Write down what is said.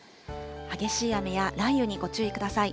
激しい雨や雷雨にご注意ください。